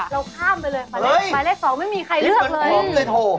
เราข้ามไปเลยหมายเลข๒ไม่มีใครเลือกเลย